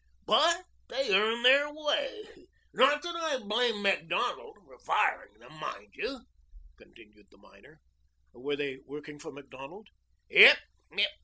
But they earn their way. Not that I blame Macdonald for firing them, mind you," continued the miner. "Were they working for Macdonald?" "Yep.